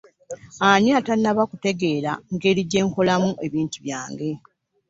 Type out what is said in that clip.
Ani atanaba kutegeera ngeri gyenkolamu ebintu byange?